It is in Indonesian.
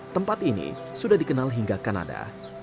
tempat ini sudah dikenal hingga kanada